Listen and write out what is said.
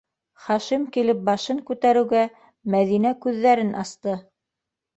Хашим килеп башын күтәреүгә, Мәҙинә күҙҙәрен асты: